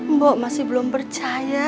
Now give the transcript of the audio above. mbok masih belum percaya